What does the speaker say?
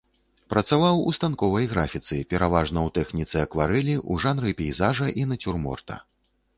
Працаваў у станковай графіцы пераважна ў тэхніцы акварэлі ў жанры пейзажа і нацюрморта.